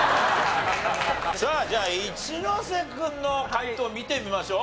さあじゃあ一ノ瀬君の解答見てみましょう。